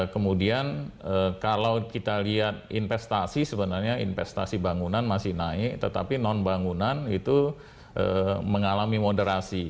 kemudian kalau kita lihat investasi sebenarnya investasi bangunan masih naik tetapi non bangunan itu mengalami moderasi